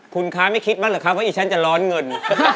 คุณคร้าวไม่คิดบ้างหรอครับว่าผมจะร้อนเงิน